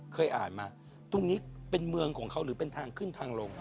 เคยอ่านมาตรงนี้เป็นเมืองของเขาหรือเป็นทางขึ้นทางลง